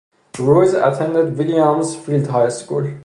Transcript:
Ruiz attended Williams Field High School.